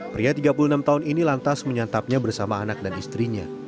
pria tiga puluh enam tahun ini lantas menyantapnya bersama anak dan istrinya